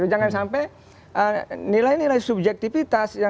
jangan sampai nilai nilai subjektivitas